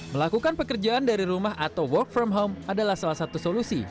melakukan pekerjaan dari rumah atau work from home adalah salah satu solusi